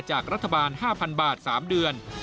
จากรัฐบาล๕๐๐๐บาท๓เดือน